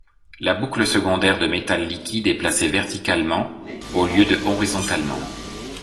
La boucle secondaire de métal liquide est placée verticalement, au lieu de horizontalement.